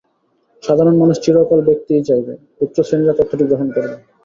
সাধারণ মানুষ চিরকাল ব্যক্তিই চাইবে, উচ্চশ্রেণীরা তত্ত্বটি গ্রহণ করবে।